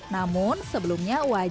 namun untuk permen yang terbaik di jakarta